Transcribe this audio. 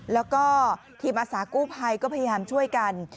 แล้วก็ทีมอาสากู้ภัยก็พยายามช่วยกัน